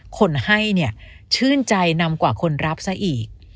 คนให้เนี่ยชื่นใจนำกว่าคนรับซะอีก